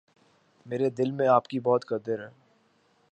میرے دل میں آپ کی بہت قدر ہے۔